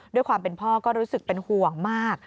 ด้วยความเป็นพ่อก็รู้สึกเป็นห่วงมาก